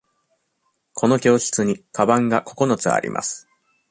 この教室にかばんが九つあります。